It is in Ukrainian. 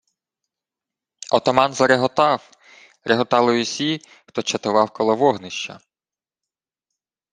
Отаман зареготав, реготали й усі, хто чатував коло вогнища.